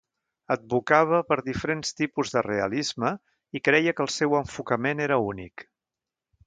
Advocava per diferents tipus de realisme i creia que el seu enfocament era únic.